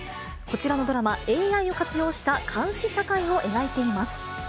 こちらのドラマ、ＡＩを活用した監視社会を描いています。